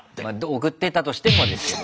送ってたとしてもです。ハハハ。